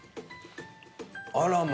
あらま。